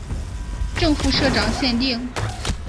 正副社长限定